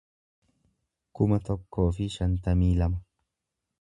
kuma tokkoo fi shantamii lama